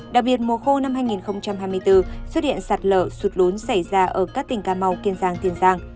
đặc biệt mùa khô năm hai nghìn hai mươi bốn xuất hiện sạt lở sụt lún xảy ra ở các tỉnh cà mau kiên giang tiền giang